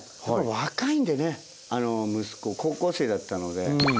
若いんでね息子高校生だったので。